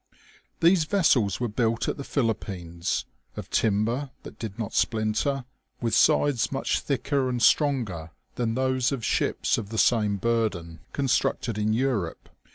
These vessels were built at the Philippines, of timber that did not splinter, with sides much thicker and stronger than those of shipa of the same burden con structed in Europe.